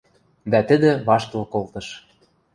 Дӓ тӹдӹ ваштыл колтыш.